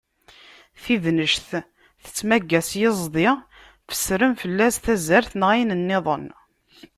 Tidnect tettmaga s yiẓdi, fessren fell-as tazart neɣ ayen nniḍen.